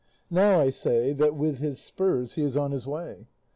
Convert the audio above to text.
Now I say that "with his spurs, he is on his way."